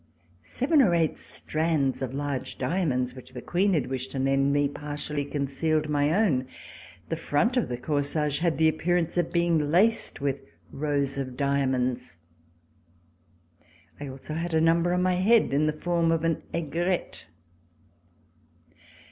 Seven or eight strands of large diamonds, which the Queen had wished to lend me, partially concealed my own. The front of the corsage had the appearance of being laced with rows of diamonds. I also had a number on my head in the form of an aigrette.